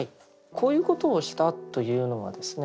こういうことをしたというのがですね